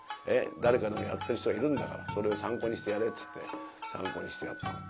誰かのやってる人はいるんだからそれを参考にしてやれ」っつって参考にしてやったの。